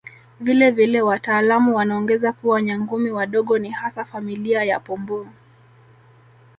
Vile vile wataalamu wanaongeza kuwa Nyangumi wadogo ni hasa familia ya Pomboo